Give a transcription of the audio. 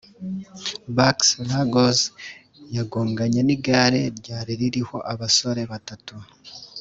Barks-Ruggles yagonganye n’igare ryari ririho abasore batatu